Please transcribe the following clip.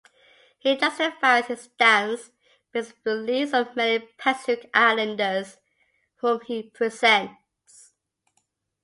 He justifies his stance based the beliefs of many Pacific Islanders whom he represents.